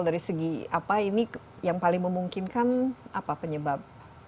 dari segi apa ini yang paling memungkinkan apa penyebab